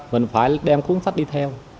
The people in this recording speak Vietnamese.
mình phải đem cuốn sách đi theo